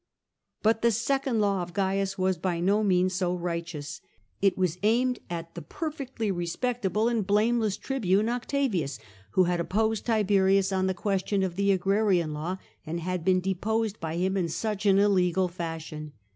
But the second law of Gains was by no means so righteous. It was aimed at the perfectly respectable and blameless tribune Octavius, who had opposed Tiberius on the question of the Agrarian Law, and had been deposed by him in such an illegal fashion.